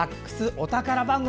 お宝番組」。